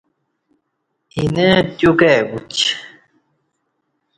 اینہ تیو کائی کوچی